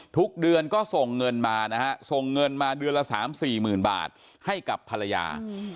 ทุกเดือนก็ส่งเงินมานะฮะส่งเงินมาเดือนละ๓๔๐๐๐บาทให้กับภรรยา